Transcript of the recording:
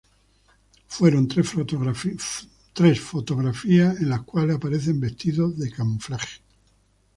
Fueron tres fotografías en las cuales aparecen vestidos de camuflado.